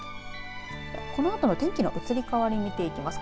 このあとの天気の移り変わり見ていきます。